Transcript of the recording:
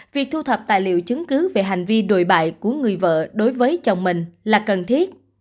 việc thu thập tài liệu chứng cứ về hành vi đồi bại của người vợ đối với chồng mình là cần thiết